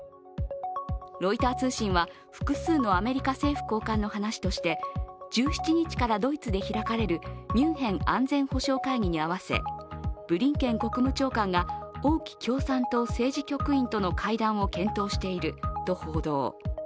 ロイター通信は複数のアメリカ政府高官の話として１７日からドイツで開かれるミュンヘン安全保障会議に合わせブリンケン国務長官が王毅共産党政治局員との会談を検討していると報道。